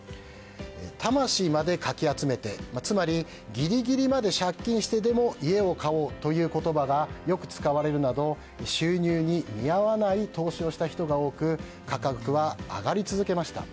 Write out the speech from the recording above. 魂までかき集めてつまりギリギリまで借金してでも家を買おうという言葉がよく使われるなど収入に見合わない投資をした人が多く価格は上がり続けました。